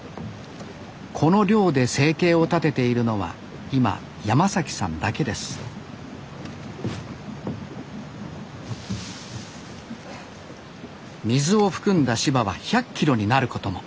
この漁で生計を立てているのは今山さんだけです水を含んだ柴は１００キロになることも。